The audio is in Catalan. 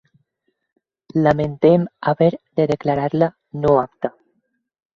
Lamentem haver de declarar-la no apta.